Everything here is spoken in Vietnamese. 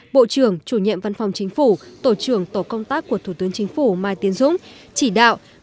bộ trưởng chủ nhiệm văn phòng chính phủ tổ trưởng tổ công tác của thủ tướng chính phủ mai tiến dũng chỉ đạo